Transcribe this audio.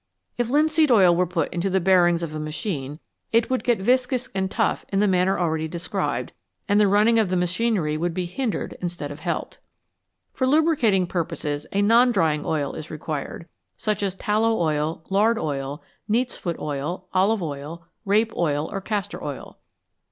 If linseed oil were put into the bearings of a machine, it would get viscous and tough in the manner already described, and the running of the machinery would be hindered instead of helped. For lubricating purposes a non drying oil is required, such as tallow oil, lard oil, neatVfoot oil, olive oil, rape oil, or castor oil.